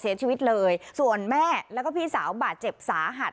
เสียชีวิตเลยส่วนแม่แล้วก็พี่สาวบาดเจ็บสาหัส